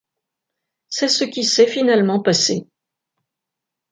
C'est ce qui s'est finalement passé.